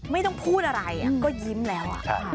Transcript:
ไม่ต้องพูดอะไรก็ยิ้มแล้ว